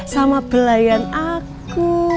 sama belayan aku